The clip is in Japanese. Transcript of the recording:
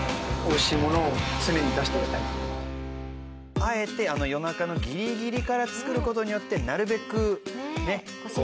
あえて夜中のギリギリから作る事によってなるべくねこう。